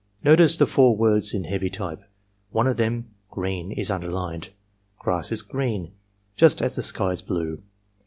"Notice the four words in heavy type. One of them — green — is imderlined. Grass is green just as the sky is blue.